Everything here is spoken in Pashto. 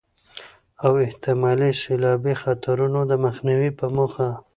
او احتمالي سيلابي خطرونو د مخنيوي په موخه